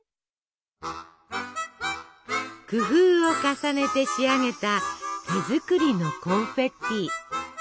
工夫を重ねて仕上げた手作りのコンフェッティ。